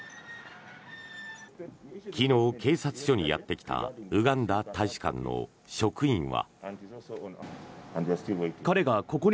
昨日、警察署にやってきたウガンダ大使館の職員は。